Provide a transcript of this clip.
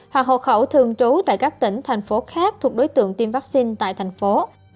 hoặc hộ khẩu thường trú tại các tỉnh thành phố khác thuộc đối tượng tiêm vaccine tại thành phố